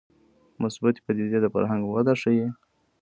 مثبتې پدیدې د فرهنګ وده ښيي